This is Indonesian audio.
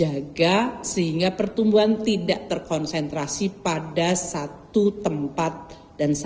dan ini juga menggambarkan bahwa pertumbuhan tidak terkonsentrasi pada satu tempat dan satu daerah saja